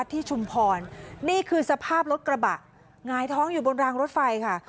ชุมพรนี่คือสภาพรถกระบะหงายท้องอยู่บนรางรถไฟค่ะ